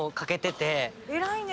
偉いね。